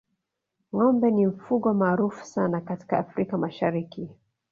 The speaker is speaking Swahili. ngombe ni mfugo maarufu sana katika afrika mashariki